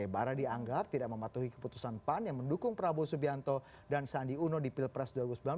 bara dianggap tidak mematuhi keputusan pan yang mendukung prabowo subianto dan sandi uno di pilpres dua ribu sembilan belas